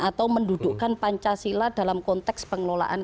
atau mendudukkan pancasila dalam konteks pengelolaan